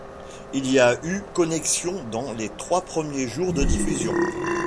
Il y a eu connexions dans les trois premiers jours de diffusion.